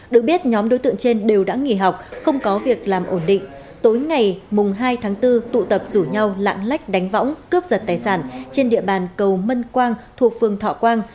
được biết nhóm đối tượng trên đều đã nghỉ học không có việc làm ổn định tối ngày hai tháng bốn tụ tập rủ nhau lạng lách đánh võng cướp giật tài sản trên địa bàn cầu mân quang thuộc phường thọ quang